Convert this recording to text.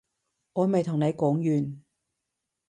我未同你講完